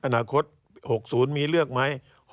อนาคต๖๐มีเลือกไหม